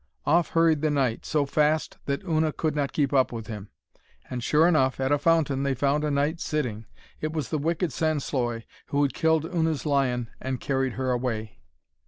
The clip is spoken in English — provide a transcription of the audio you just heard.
Off hurried the knight, so fast that Una could not keep up with him, and sure enough, at a fountain they found a knight sitting. It was the wicked Sansloy who had killed Una's lion and carried her away.